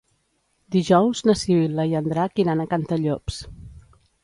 Dijous na Sibil·la i en Drac iran a Cantallops.